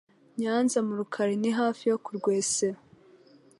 Nyanza mu Rukari ni hafi yo kurwesero